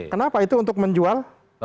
kenapa itu untuk menjual